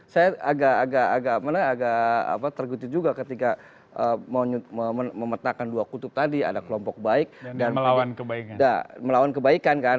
saya agak tergutu juga ketika memetakan dua kutub tadi ada kelompok baik dan melawan kebaikan